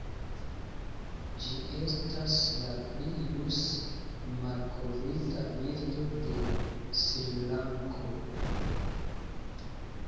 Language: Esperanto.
Ĝi estas la pli ĵus malkovrita birdo de Srilanko.